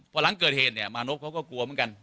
พอหลังเกิดเหตุเนี่ยมานพเขาก็กลัวเหมือนกัน